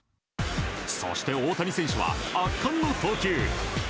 そして大谷選手は圧巻の投球。